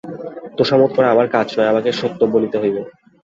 তোষামোদ করা আমার কাজ নয়, আমাকে সত্য বলিতে হইবে।